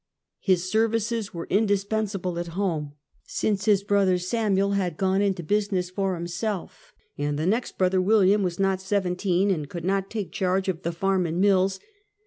His services were in dispensable at liome, since his brother Samuel had gone into business for himself, and the next brother William was not seventeen, and could not take charge of the farm and mills.